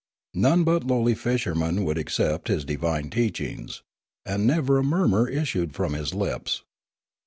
None but lowly fishermen would accept His divine teachings. And never a murmur issued from His lips.